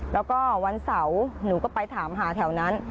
แล้วก็วันเสาร์หนูก็ไปถามหาแถวนั้น